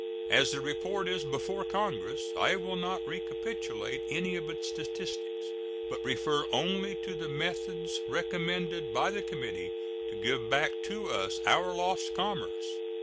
As the report is before Congress, I will not recapitulate any of its statistics, but refer only to the methods recommended by the committee to give back to us our lost commerce.